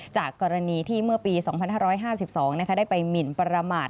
จากกรณีที่เมื่อปี๒๕๕๒ได้ไปหมินประมาท